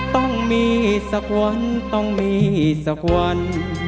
ต้องมีสักวันต้องมีสักวัน